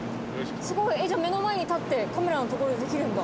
すごい！じゃあ目の前に立ってカメラの所でできるんだ。